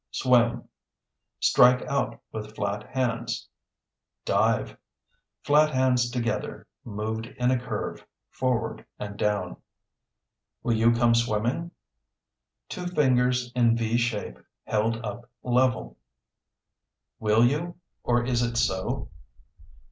Swim (Strike out with flat hands). Dive (Flat hands together, moved in a curve, forward and down). Will you come swimming? (Two fingers in V shape held up level). Will you? or Is it so?